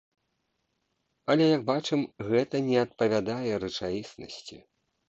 Але, як бачым, гэта не адпавядае рэчаіснасці.